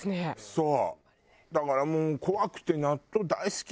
そう！